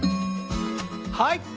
はい。